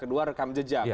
kedua rekam jejak